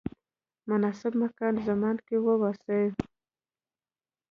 مناسب مکان زمان کې واوسئ.